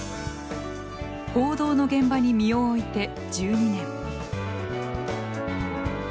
報道の現場に身を置いて１２年。